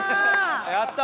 やったー！